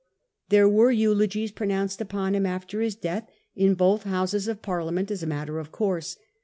There were eulogies pronounced upon him after his death in Iboth Houses of Parliament as a matter of course.